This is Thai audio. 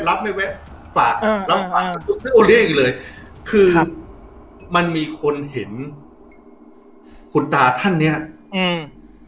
รับไม่แวะฝากรับฟังเลยคือครับมันมีคนเห็นคุณตาท่านเนี้ยอืม